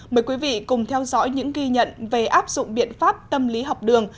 mời quý vị cùng theo dõi những ghi nhận về áp dụng biện pháp tâm lý học đường